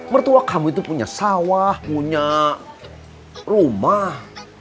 mertua kamu itu punya sawah punya rumah